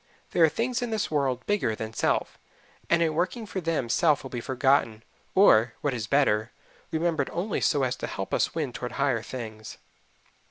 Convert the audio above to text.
There are things in this world bigger than self, and in working for them self will be forgotten, or what is better remembered only so as to help us win toward higher things.